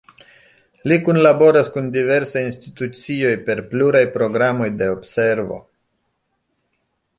Li kunlaboras kun diversaj institucioj per pluraj programoj de observo.